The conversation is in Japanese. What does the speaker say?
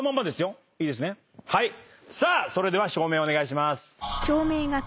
さあそれでは照明お願いします。